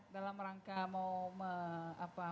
dalam rangka mau mencuri